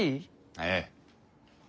ええ。